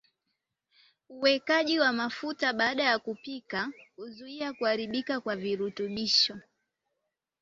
Uwekaji wa mafuta baada ya kupika huzuia kuharibika kwa virutubishi